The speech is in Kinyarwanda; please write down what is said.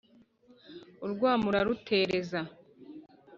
urwamo ararutereza